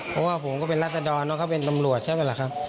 เพราะว่าผมก็เป็นรัศดรเนอะเขาเป็นตำรวจใช่ไหมล่ะครับ